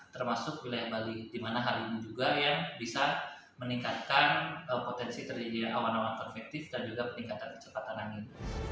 termasuk wilayah bali di mana hal ini juga yang bisa meningkatkan potensi terjadinya awan awan konvektif dan juga peningkatan kecepatan angin